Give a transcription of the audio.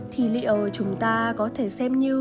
thì liệu chúng ta có thể xem như